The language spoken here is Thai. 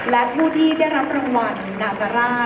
และผู้ที่ได้รับรางวัลนาการ่า